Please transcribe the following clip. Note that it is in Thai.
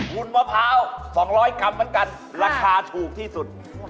ุ่นมะพร้าว๒๐๐กรัมเหมือนกันราคาถูกที่สุด